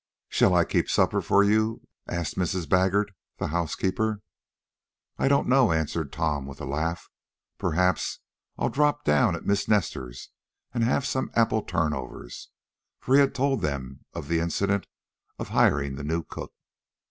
"Shall I keep supper for you?" asked Mrs. Baggert, the housekeeper. "I don't know," answered Tom, with a laugh. "Perhaps I'll drop down at Miss Nestor's, and have some apple turnovers," for he had told them or the incident of hiring the new cook.